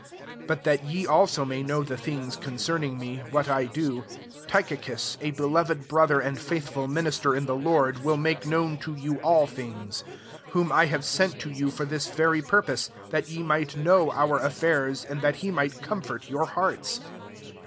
21 But that ye also may know the things concerning me, what I do, Tychicus, a be loved brother and faithful mi nister in the Lord, will make known to you all things; 22 whom I have sent to you for this very purpose, that ye might know our affairs, and that he might comfort your hearts.